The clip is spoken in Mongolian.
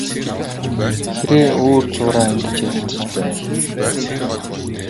Хэрээ өөр зуураа ингэж ярилцаж байна.